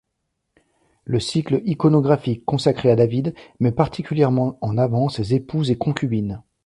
Le cycle iconographique consacré à David met particulièrement en avant ses épouses et concubines.